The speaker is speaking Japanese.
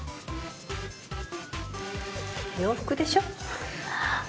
洋服でしょ？